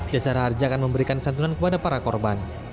desa raharja akan memberikan santunan kepada para korban